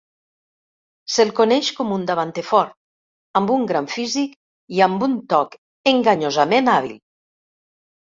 Se'l coneix com un davanter fort, amb un gran físic i amb un toc enganyosament hàbil.